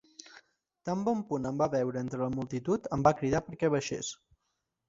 Tan bon punt em va veure entre la multitud, em va cridar perquè baixés.